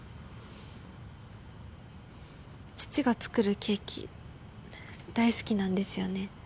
父が作るケーキ大好きなんですよね